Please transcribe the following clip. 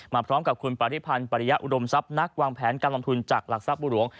พร้อมกับคุณปริพันธ์ปริยะอุดมทรัพย์นักวางแผนการลงทุนจากหลักทรัพย์บุหลวง